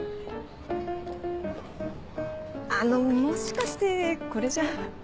あのもしかしてこれじゃ？